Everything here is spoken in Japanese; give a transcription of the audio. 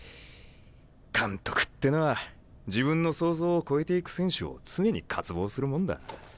監督ってのは自分の想像を超えていく選手を常に渇望するもんだ。